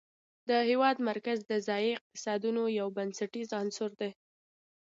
د هېواد مرکز د ځایي اقتصادونو یو بنسټیز عنصر دی.